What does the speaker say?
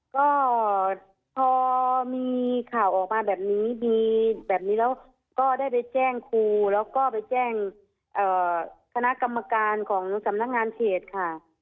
ก็พอมีข่าวออกมาแบบนี้มีแบบนี้แล้วก็ได้ไปแจ้งครูแล้วก็ไปแจ้งคณะกรรมการของสำนักงานเขตค่ะ